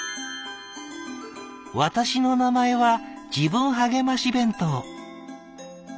「私の名前は『自分はげまし弁当』。